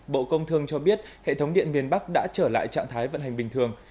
bộ công thương cho biết hệ thống điện miền bắc đã trở lại trạng thái vận hành bình thường